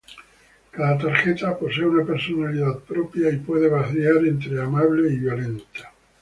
Cada tarjeta posee una personalidad propia y puede variar entre amable y violenta.